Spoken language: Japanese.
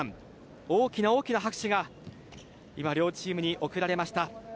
大きな大きな拍手が今、両チームに送られました。